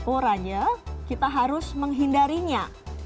oranye kita harus menghindarinya